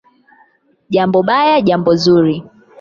"Jambo baya, jambo zuri"